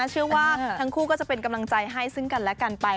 เชื่อว่าทั้งคู่ก็จะเป็นกำลังใจให้ซึ่งกันและกันไป